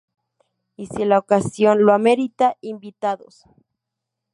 Y si la ocasión lo amerita, invitados.